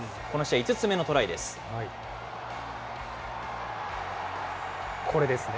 この試合５つ目のトラこれですね。